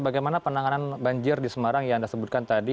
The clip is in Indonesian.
bagaimana penanganan banjir di semarang yang anda sebutkan tadi